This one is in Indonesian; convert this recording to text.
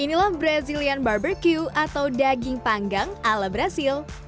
inilah brazilian barbecue atau daging panggang ala brazil